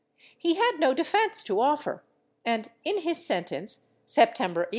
He had no defence to offer and, in his sentence, September 11, 1 Bibl.